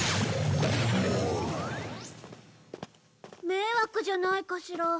迷惑じゃないかしら。